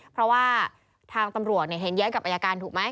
เพราะว่าทางตำรวจเห็นแย้งกับอายการถูกไหม